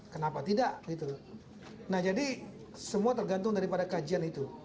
kenapa tidak nah jadi semua tergantung daripada kajian itu